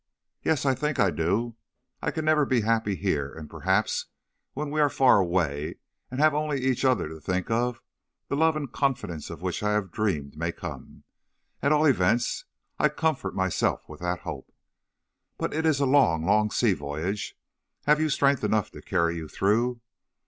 "'Yes; I think I do. I can never be happy here, and perhaps when we are far away, and have only each other to think of, the love and confidence of which I have dreamed may come. At all events, I comfort myself with that hope.' "'But it is a long, long sea voyage. Have you strength enough to carry you through?'